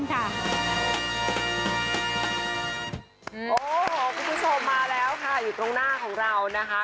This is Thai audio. คุณผู้ชมมาแล้วค่ะอยู่ตรงหน้าของเรานะคะ